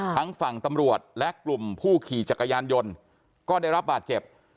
ทั้งฝั่งตำรวจและกลุ่มผู้ขี่จักรยานยนต์ก็ได้รับบาดเจ็บ